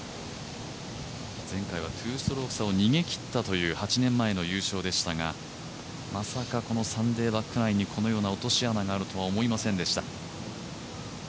前回は２ストローク差を逃げ切ったという８年前の優勝でしたがまさかこのサンデーバック９にこの落とし穴があるとは思いませんでした。